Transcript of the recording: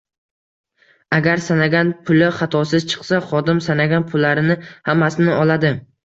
Agar sanagan puli xatosiz chiqsa, xodim sanagan pullarini hammasini oladi.